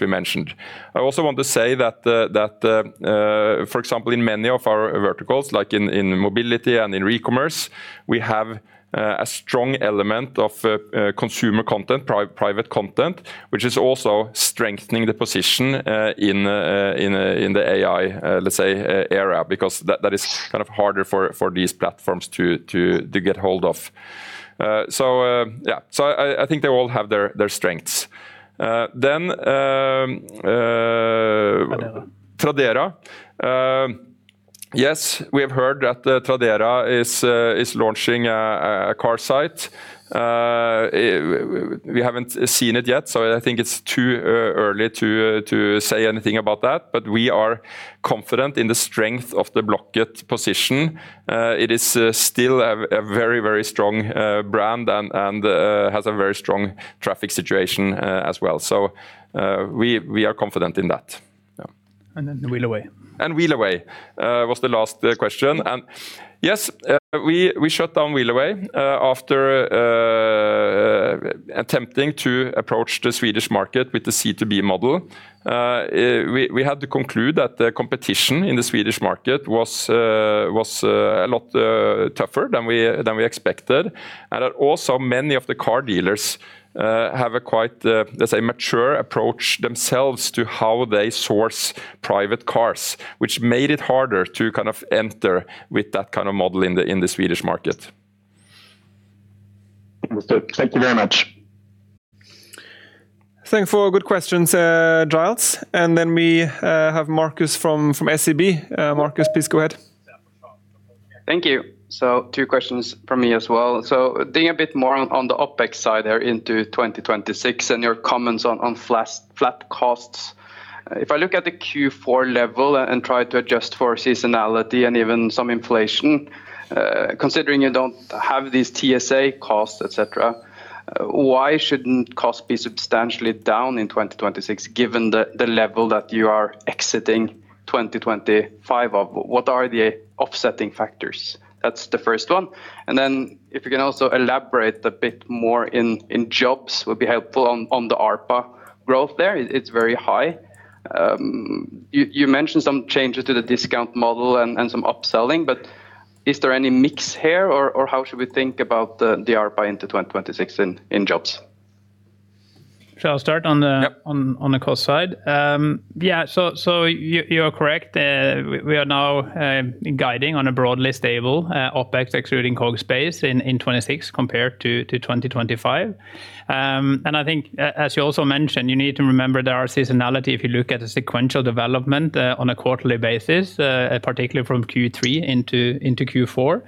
we mentioned. I also want to say that the, that, for example, in many of our verticals, like in, in Mobility and in Recommerce, we have, a strong element of, consumer content, private content, which is also strengthening the position, in, in, in the AI, let's say, era, because that, that is kind of harder for, for these platforms to, to, to get hold of. So, yeah, so I, I think they all have their, their strengths. Then, Tradera. Tradera. Yes, we have heard that Tradera is launching a car site. We haven't seen it yet, so I think it's too early to say anything about that, but we are confident in the strength of the Blocket position. It is still a very, very strong brand and has a very strong traffic situation as well. So, we are confident in that. Yeah. And then the Wheelaway. And Wheelaway was the last question. And yes, we shut down Wheelaway after attempting to approach the Swedish market with the C2B model. We had to conclude that the competition in the Swedish market was a lot tougher than we expected, and that also many of the car dealers have a quite, let's say, mature approach themselves to how they source private cars, which made it harder to kind of enter with that kind of model in the Swedish market. Understood. Thank you very much. Thank you for good questions, Giles. And then we have Marcus from SEB. Marcus, please go ahead. Thank you. So two questions from me as well. So digging a bit more on the OpEx side there into 2026 and your comments on flat costs. If I look at the Q4 level and try to adjust for seasonality and even some inflation, considering you don't have these TSA costs, etc., why shouldn't costs be substantially down in 2026, given the level that you are exiting 2025 of? What are the offsetting factors? That's the first one. And then if you can also elaborate a bit more in Jobs, would be helpful on the ARPA growth there. It's very high. You mentioned some changes to the discount model and some upselling, but is there any mix here, or how should we think about the ARPA into 2026 in Jobs? Shall I start on the- Yep... on the cost side? Yeah, so you are correct. We are now guiding on a broadly stable OpEx, excluding COGS base, in 2026 compared to 2025. And I think, as you also mentioned, you need to remember there are seasonality if you look at the sequential development on a quarterly basis, particularly from Q3 into Q4.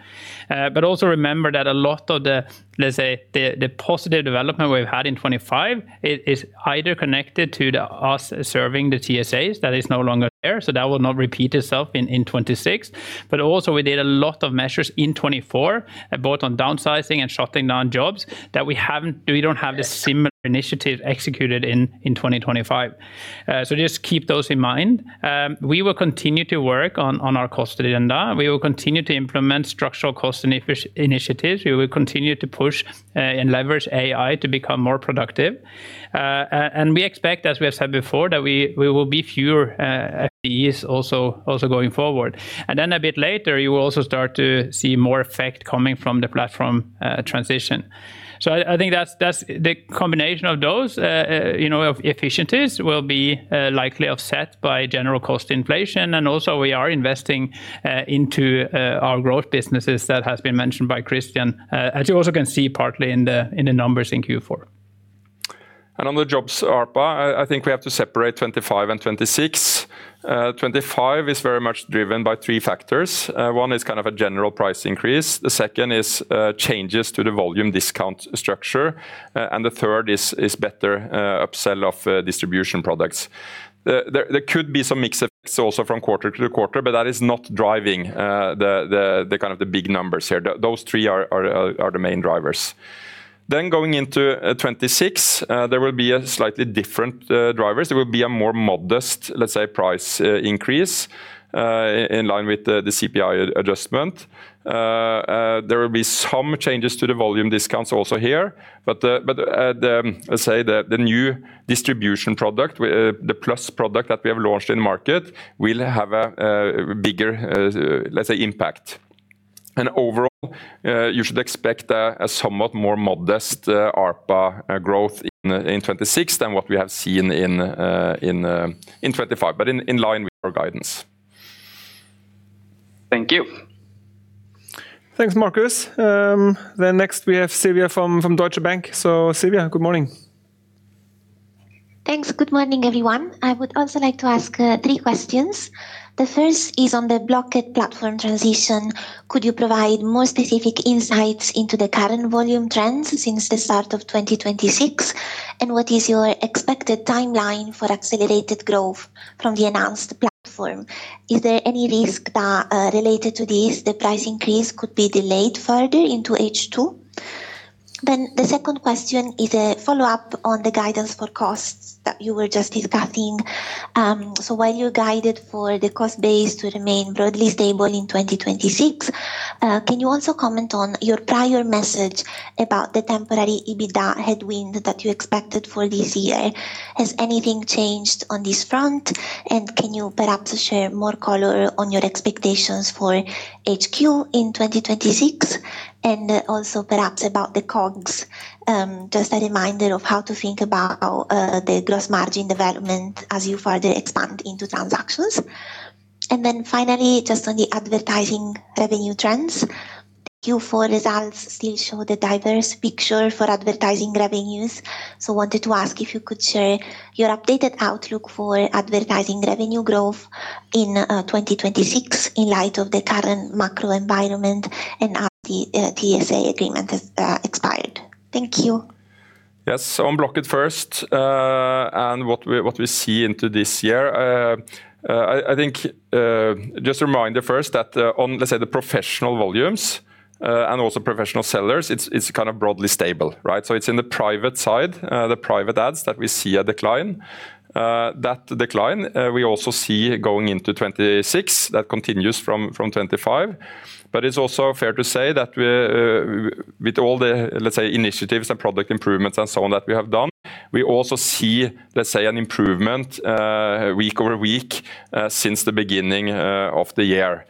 But also remember that a lot of the, let's say, the positive development we've had in 2025, it is either connected to us serving the TSAs that is no longer there, so that will not repeat itself in 2026. But also, we did a lot of measures in 2024, both on downsizing and shutting down Jobs, that we haven't, we don't have the similar initiative executed in 2025. So just keep those in mind. We will continue to work on our cost agenda, and we will continue to implement structural cost efficiency initiatives. We will continue to push and leverage AI to become more productive. And we expect, as we have said before, that we will be fewer at year-end also going forward. And then a bit later, you will also start to see more effect coming from the platform transition. So I think that's the combination of those, you know, of efficiencies will be likely offset by general cost inflation. And also, we are investing into our growth businesses that has been mentioned by Christian, as you also can see partly in the numbers in Q4. On the Jobs ARPA, I think we have to separate 2025 and 2026. 2025 is very much driven by three factors. One is kind of a general price increase, the second is changes to the volume discount structure, and the third is better upsell of distribution products. There could be some mixed effects also from quarter to quarter, but that is not driving the kind of big numbers here. Those three are the main drivers. Then going into 2026, there will be slightly different drivers. There will be a more modest, let's say, price increase in line with the CPI adjustment. There will be some changes to the volume discounts also here, but, let's say, the new distribution product with the Plus product that we have launched in the market will have a bigger, let's say, impact. And overall, you should expect a somewhat more modest ARPA growth in 2026 than what we have seen in 2025, but in line with our guidance. Thank you. Thanks, Marcus. Then next, we have Silvia from Deutsche Bank. So, Silvia, good morning. Thanks. Good morning, everyone. I would also like to ask three questions. The first is on the Blocket platform transition. Could you provide more specific insights into the current volume trends since the start of 2026, and what is your expected timeline for accelerated growth from the announced platform? Is there any risk that, related to this, the price increase could be delayed further into H2? Then the second question is a follow-up on the guidance for costs that you were just discussing. So while you guided for the cost base to remain broadly stable in 2026, can you also comment on your prior message about the temporary EBITDA headwind that you expected for this year? Has anything changed on this front, and can you perhaps share more color on your expectations for OpEx in 2026, and also perhaps about the COGS? Just a reminder of how to think about the gross margin development as you further expand into transactions. And then finally, just on the advertising revenue trends, Q4 results still show the diverse picture for advertising revenues. So I wanted to ask if you could share your updated outlook for advertising revenue growth in 2026, in light of the current macro environment and how the TSA agreement has expired. Thank you. Yes. So on Blocket first, and what we, what we see into this year. I think, just a reminder first that, on, let's say, the professional volumes, and also professional sellers, it's, it's kind of broadly stable, right? So it's in the private side, the private ads, that we see a decline. That decline, we also see going into 2026, that continues from, from 2025. But it's also fair to say that, with all the, let's say, initiatives and product improvements and so on that we have done, we also see, let's say, an improvement, week over week, since the beginning, of the year.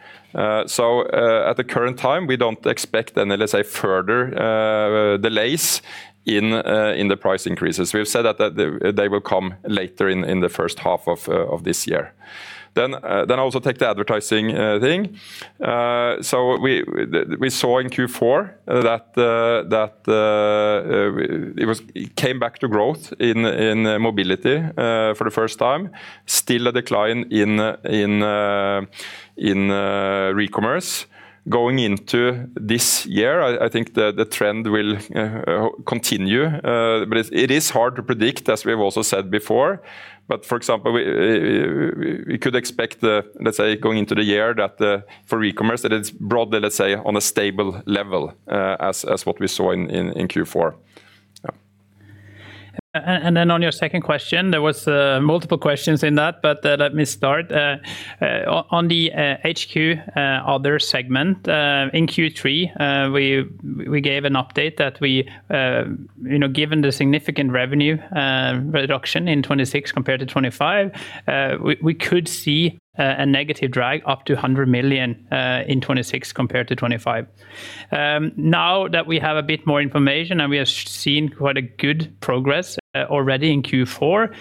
So, at the current time, we don't expect any, let's say, further, delays in, in the price increases. We've said that, that they will come later in, in the first half of, of this year. Then, then I also take the advertising, thing. So we, we saw in Q4, that, that, it was- it came back to growth in, in Mobility, for the first time. Still a decline in, in, in, Recommerce. Going into this year, I, I think the, the trend will, continue, but it's- it is hard to predict, as we have also said before. But for example, we could expect the, let's say, going into the year, that, for Recommerce, that it's broadly, let's say, on a stable level, as, as what we saw in, in, in Q4. Yeah. And then on your second question, there was multiple questions in that, but let me start. On the HQ Other segment, in Q3, we gave an update that we, you know, given the significant revenue reduction in 2026 compared to 2025, we could see a negative drag up to 100 million in 2026 compared to 2025. Now that we have a bit more information and we have seen quite a good progress already in Q4,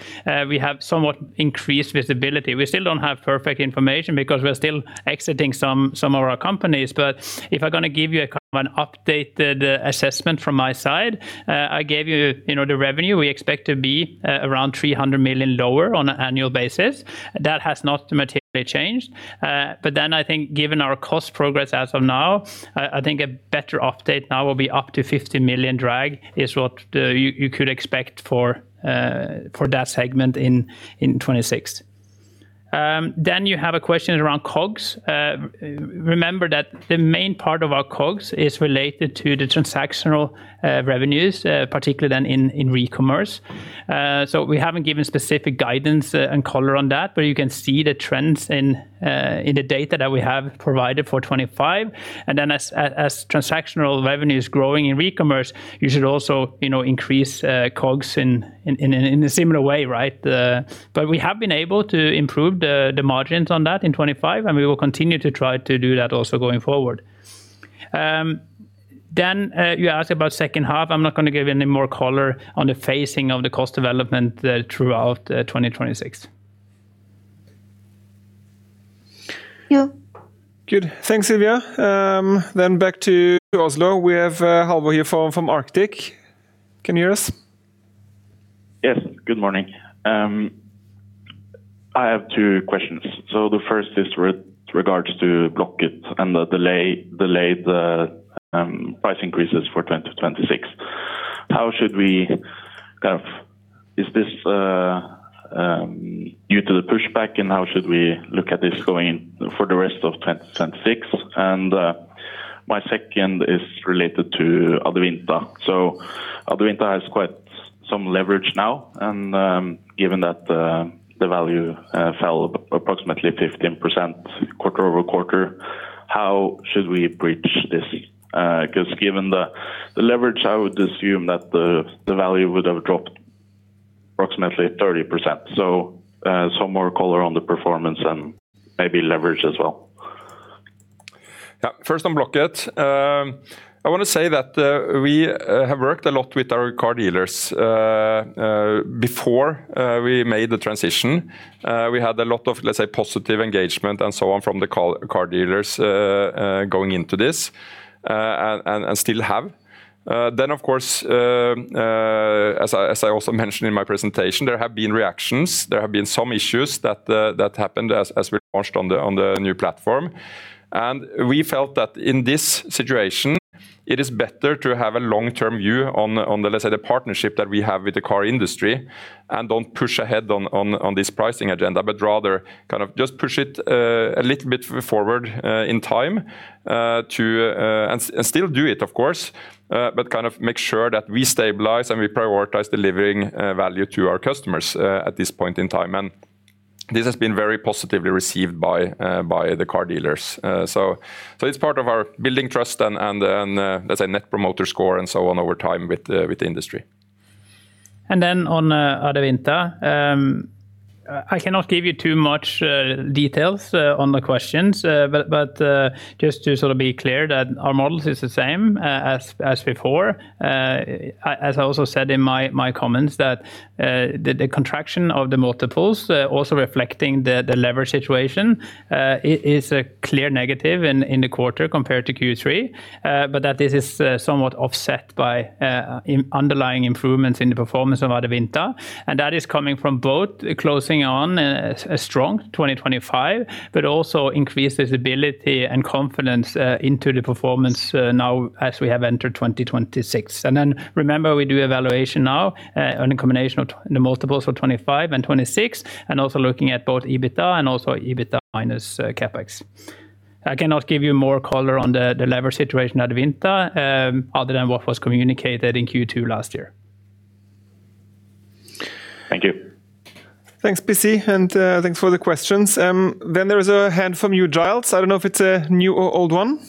we have somewhat increased visibility. We still don't have perfect information because we're still exiting some of our companies, but if I'm gonna give you a kind of an updated assessment from my side, I gave you, you know, the revenue we expect to be around 300 million lower on an annual basis. That has not materially changed. But then I think given our cost progress as of now, I think a better update now will be up to 50 million drag, is what you could expect for that segment in 2026. Then you have a question around COGS. Remember that the main part of our COGS is related to the transactional revenues, particularly then in Recommerce. So we haven't given specific guidance and color on that, but you can see the trends in the data that we have provided for 2025. And then as transactional revenue is growing in Recommerce, you should also, you know, increase COGS in a similar way, right? But we have been able to improve the margins on that in 2025, and we will continue to try to do that also going forward. Then you asked about second half. I'm not gonna give any more color on the phasing of the cost development throughout 2026. Thank you. Good. Thanks, Silvia. Then back to Oslo. We have Halvor here from Arctic. Can you hear us? Yes, good morning. I have two questions. So the first is with regards to Blocket and the delayed price increases for 2026. How should we kind of? Is this due to the pushback, and how should we look at this going for the rest of 2026? And my second is related to Adevinta. So Adevinta has quite some leverage now, and given that the value fell approximately 15% quarter-over-quarter, how should we approach this? Because given the leverage, I would assume that the value would have dropped approximately 30%. So some more color on the performance and maybe leverage as well. Yeah, first on Blocket. I wanna say that we have worked a lot with our car dealers. Before we made the transition, we had a lot of, let's say, positive engagement and so on from the car dealers going into this, and still have. Then, of course, as I also mentioned in my presentation, there have been reactions. There have been some issues that happened as we launched on the new platform. And we felt that in this situation, it is better to have a long-term view on, let's say, the partnership that we have with the car industry, and don't push ahead on this pricing agenda, but rather kind of just push it a little bit forward in time. And still do it, of course, but kind of make sure that we stabilize, and we prioritize delivering value to our customers at this point in time. And this has been very positively received by the car dealers. So it's part of our building trust and let's say, Net Promoter Score and so on over time with the industry. And then on Adevinta, I cannot give you too much details on the questions. But just to sort of be clear that our models is the same as before. As I also said in my comments, that the contraction of the multiples also reflecting the leverage situation is a clear negative in the quarter compared to Q3. But that this is somewhat offset by underlying improvements in the performance of Adevinta, and that is coming from both closing on a strong 2025, but also increased visibility and confidence into the performance now as we have entered 2026. And then remember, we do evaluation now on a combination of the multiples for 2025 and 2026, and also looking at both EBITDA and also EBITDA minus CapEx. I cannot give you more color on the leverage situation at Adevinta, other than what was communicated in Q2 last year. Thank you. Thanks, PC, and thanks for the questions. Then there is a hand from you, Giles. I don't know if it's a new or old one.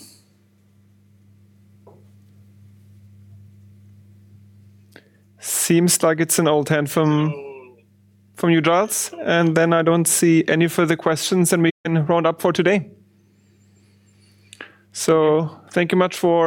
Seems like it's an old hand from, from you, Giles, and then I don't see any further questions, and we can round up for today. So thank you much for-